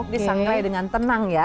disangrai dengan tenang ya